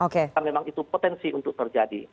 karena memang itu potensi untuk terjadi